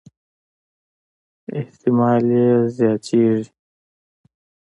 احتمالي یې زياتېږي.